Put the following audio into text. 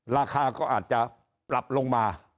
ราคาก็อาจจะปรับลงมา